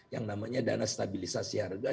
yang namanya dana stabilisasi harga